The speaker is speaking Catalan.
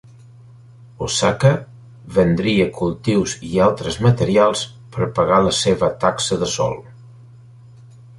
Osaka vendria cultius i altres materials per pagar la seva taxa de sòl.